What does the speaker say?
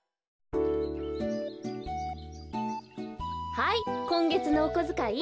はいこんげつのおこづかい。